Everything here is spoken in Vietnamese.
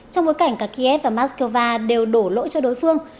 trong bối cảnh cả kiev và moscow đều đổ lỗi cho đối phương